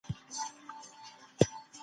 د شاتو او لیمو اوبه روغتیا ته ښې دي.